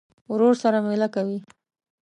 ورور سره مېله کوې.